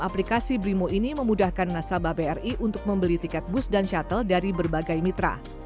aplikasi brimo ini memudahkan nasabah bri untuk membeli tiket bus dan shuttle dari berbagai mitra